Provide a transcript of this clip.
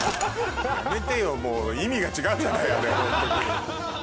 やめてよもう意味が違うじゃないホントに。